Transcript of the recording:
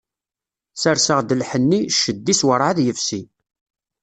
Serseɣ-d lḥenni, cced-is werɛad yefsi.